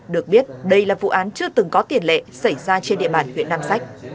được biết đây là vụ án chưa từng có tiền lệ xảy ra trên địa bàn huyện nam sách